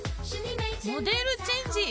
モデルチェンジ？